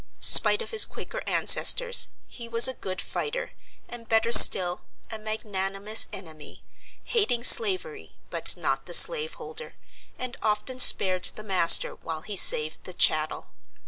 Spite of his Quaker ancestors, he was a good fighter, and, better still, a magnanimous enemy, hating slavery, but not the slave holder, and often spared the master while he saved the chattel.